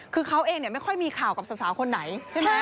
คือเขาเองเนี่ยไม่ค่อยมีข่าวกับสาวคนไหน